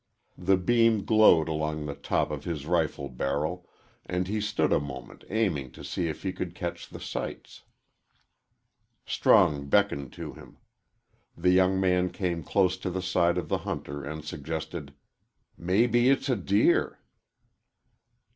The beam glowed along the top of his rifle barrel, and he stood a moment aiming to see if he could catch the sights. Strong beckoned to him. The young man came close to the side of the hunter and suggested, "Maybe it's a deer."